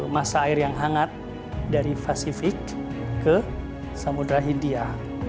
masa air yang hangat dari pasifik ke samudera hindia